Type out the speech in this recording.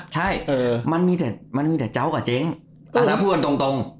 ใช่มันมีแต่เจ้ากานเจ้องั้นถ้าพูดจริงโจ้ง